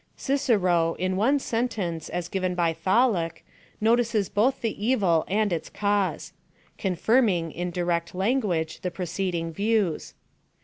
Cicero, in one sentence, as given by Tholuck, notices both the evil and its cause ; con 48 PHILOSOPHY OF THE firming, in direct language, the preceding views.